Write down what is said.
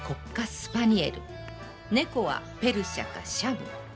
スパニエル、猫はペルシャかシャム。